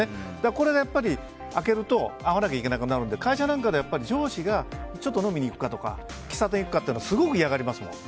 これがやっぱり明けると会わないといけなくなるので会社なんかで上司がちょっと飲みに行くかとか喫茶店行くかとかすごく嫌がりますもん。